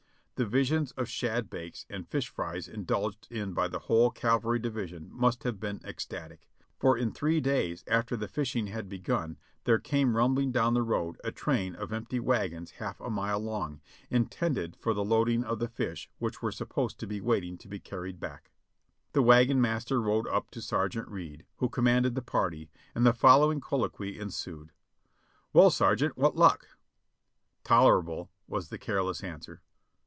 The visions of shad bakes and fish frys indulged in by the whole cavalry division must have been ecstatic, for in three days after the fishing had begun there came rumbling down the road a train of empty wagons half a mile long, intended for the loading of the fish which were supposed to be waiting to be carried back. The wagon master rode up to Sergeant Reid. who commanded the party, and the following colloquy ensued: "Well, Sergeant, what luck?" "Tolerable," was the careless answer.